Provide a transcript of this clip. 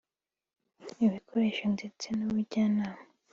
ibikoresho ndetse n’ubujyanama